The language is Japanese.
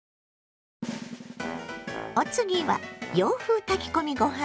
お次は洋風炊き込みご飯よ。